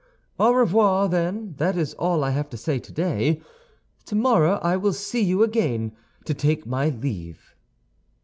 "Au revoir, then; that is all I have to say today. Tomorrow I will see you again, to take my leave."